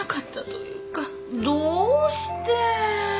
どうして。